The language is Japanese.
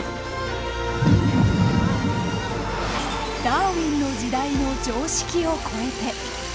ダーウィンの時代の常識を超えて。